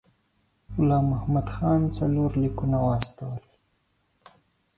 غلام محمد خان څلور لیکونه واستول.